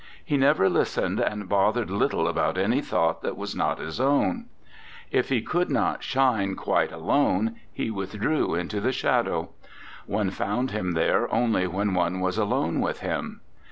He never listened, and bothered little about any thought that was not his own. If he could not shine RECOLLECTIONS OF OSCAR WILDE quite alone, he withdrew into the shadow. One found him there only when one was alone with him.